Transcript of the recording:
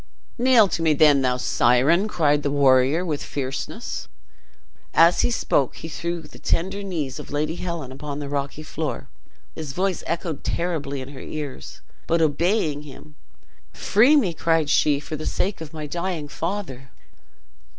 "Kneel to me then, thou siren!" cried the warrior, with fierceness. As he spoke he threw the tender knees of Lady Helen upon the rocky floor. His voice echoed terribly in her ears, but obeying him, "Free me," cried she, "for the sake of my dying father!"